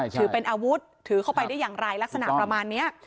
ถือเป็นอาวุธถือเข้าไปได้อย่างไรลักษณะประมาณนี้